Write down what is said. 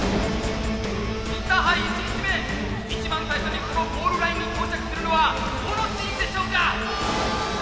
「インターハイ１日目一番最初にこのゴールラインに到着するのはどのチームでしょうか？」。